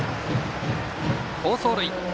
好走塁！